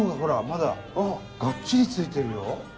まだがっちりついてるよ。